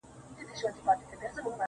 سپينه كوتره په هوا كه او باڼه راتوی كړه.